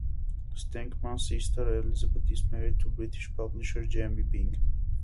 Shenkman's sister, Elizabeth, is married to British publisher Jamie Byng.